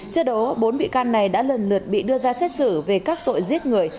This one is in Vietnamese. trước đó bốn bị can này đã lần lượt bị đưa ra xét xử về các tội giết người